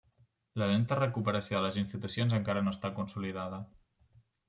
La lenta recuperació de les institucions encara no està consolidada.